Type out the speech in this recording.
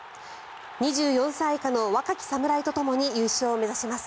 ２４歳以下の若き侍とともに優勝を目指します。